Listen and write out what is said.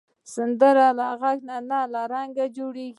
سندره له غږ نه رنګ جوړوي